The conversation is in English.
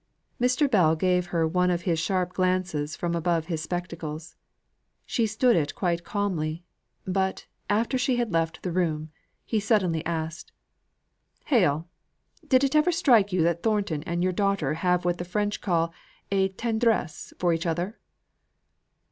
Mr. Bell gave her one of his sharp glances from above his spectacles. She stood it quite calmly; but, after she had left the room, he suddenly asked, "Hale! did it ever strike you that Thornton and your daughter have what the French call a tendresse for each other?"